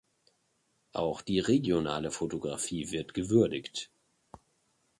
Auch die regionale Fotografie wird gewürdigt.